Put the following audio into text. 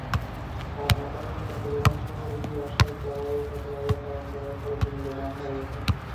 তার মাতামহী তাকে রোমান শহরে নিয়ে আসার পর ও তাকে লালন-পালন করার ফলে তিনি রোমান হয়ে ওঠেন।